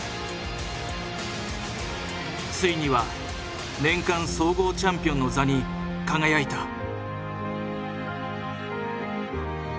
ついには年間総合チャンピオンの座に輝いた。